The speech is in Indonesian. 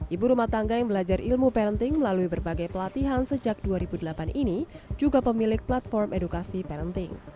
ibu rumah tangga yang belajar ilmu parenting melalui berbagai pelatihan sejak dua ribu delapan ini juga pemilik platform edukasi parenting